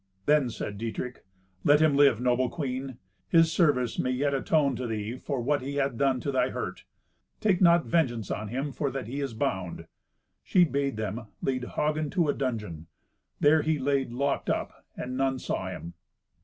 Then said Dietrich, "Let him live, noble queen. His service may yet atone to thee for what he hath done to thy hurt. Take not vengeance on him for that he is bound." She bade them lead Hagen to a dungeon. There he lay locked up, and none saw him.